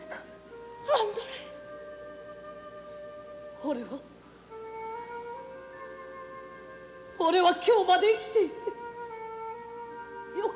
俺は俺は今日まで生きていて良かった。